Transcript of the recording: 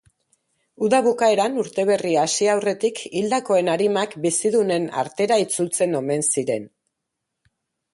Uda bukaeran urteberria hasi aurretik hildakoen arimak bizidunen artera itzultzen omen ziren.